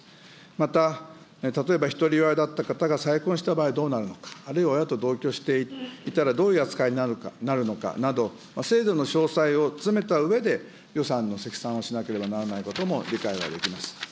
また、例えばひとり親だった方が再婚した場合どうなるのか、あるいは親と同居していたらどういう扱いになるのかなど、制度の詳細を詰めたうえで、予算の積算をしなければならないことも理解はできます。